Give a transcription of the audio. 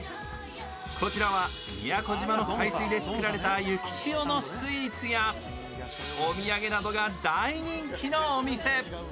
こちらは宮古島の海水で作られた雪塩のスイーツやお土産などが大人気のお店。